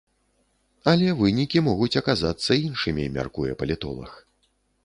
Але вынікі могуць аказацца іншымі, мяркуе палітолаг.